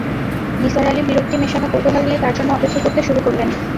নিসার আলি বিরক্তি-মেশান কৌতূহল নিয়ে তার জন্য অপেক্ষা করতে শুরু করলেন।